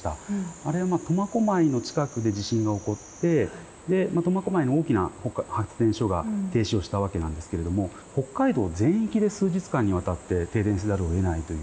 あれは苫小牧の近くで地震が起こって苫小牧の大きな発電所が停止をしたわけなんですけれども北海道全域で数日間にわたって停電せざるをえないという。